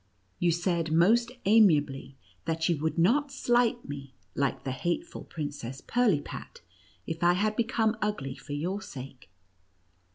You said most amiably, that you would not slight me, like the hateful Princess Pirlipat, if I had become ugly for your sake.